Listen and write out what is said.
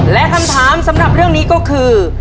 และคำถามสำหรับเรื่องนี้ก็คือ